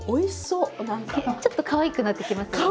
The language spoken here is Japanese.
ちょっとかわいくなってきますよね。